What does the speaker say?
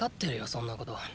そんなこと！